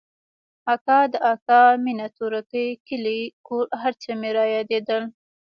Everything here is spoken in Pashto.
اکا د اکا مينه تورکى کلى کور هرڅه مې رايادېدل.